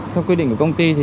theo quy định của công ty